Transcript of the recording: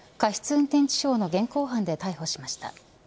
運転致傷の現行犯で逮捕しました。